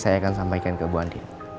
saya akan sampaikan ke bu andi